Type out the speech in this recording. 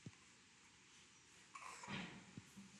بزګران زحمت کشه خلک دي.